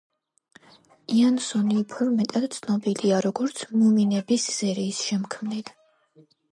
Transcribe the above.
იანსონი უფრო მეტად ცნობილია, როგორც მუმინების სერიის შემქმნელი.